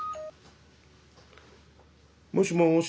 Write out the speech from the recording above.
もしもし。